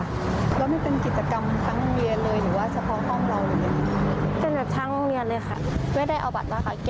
แล้วไม่เป็นกิจกรรมทั้งโรงเรียนเลยหรือว่าเฉพาะห้องเราเลยเนี่ย